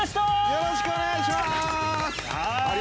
◆よろしくお願いします。